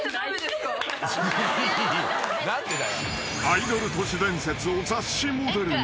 ［アイドル都市伝説を雑誌モデルに］